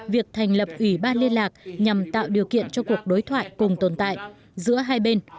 việc thành lập ủy ban liên lạc nhằm tạo điều kiện cho cuộc đối thoại cùng tồn tại giữa hai bên